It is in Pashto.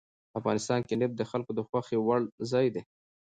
افغانستان کې نفت د خلکو د خوښې وړ ځای دی.